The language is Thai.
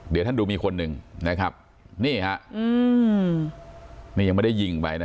เดี๋ยวท่านดูมีคนหนึ่งนะครับนี่ฮะอืมนี่ยังไม่ได้ยิงไปนะ